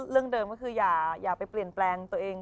เรื่องเดิมก็คืออย่าไปเปลี่ยนแปลงตัวเอง